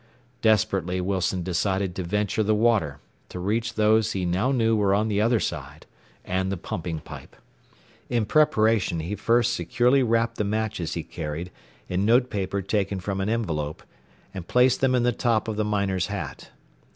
Desperately Wilson decided to venture the water, to reach those he now knew were on the other side, and the pumping pipe. In preparation he first securely wrapped the matches he carried in notepaper taken from an envelope, and placed them in the top of the miner's hat.